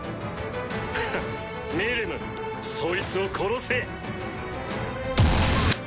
フッミリムそいつを殺せ！